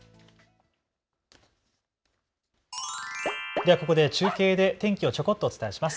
ではここで中継で天気をちょこっとお伝えします。